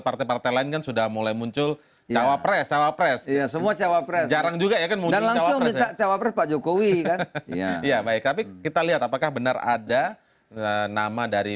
pertanyaan mana tadi